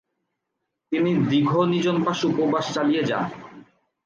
তিনি দীঘ নিজনবাস উপবাস চালিয়ে যান।